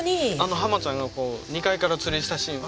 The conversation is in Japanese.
ハマちゃんが２階から釣りしたシーンあ